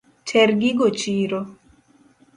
Ter gigo chiro.